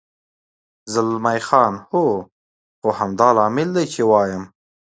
زلمی خان: هو، خو همدا لامل دی، چې وایم.